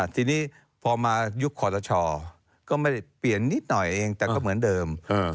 ทีนี้พอมายุคคอตชก็ไม่ได้เปลี่ยนนิดหน่อยเองแต่ก็เหมือนเดิม